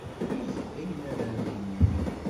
Eg ayen ara am-inin.